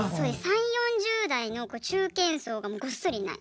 ３０４０代の中堅層がごっそりいない。